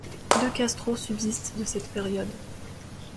Deux castro subsistent de cette période.